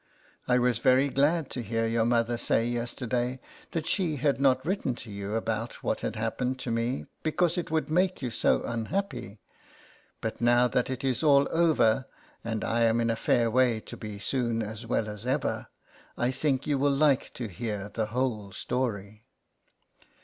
I was very glad to hear your mother say, yesterday, that she had not writ ten to you about what had happened to me, because it would make you 60 LETTERS FROM A CAT. so unhappy. But now that it is all over, and I am in a fair way to be soon as well as ever, I think you will like to hear the whole story.